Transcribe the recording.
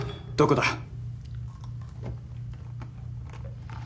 どこだ！？